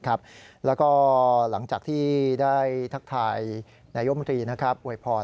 แล้วก็หลังจากที่ได้ทักทายนายแย่งประมาณบุรุษมนตรี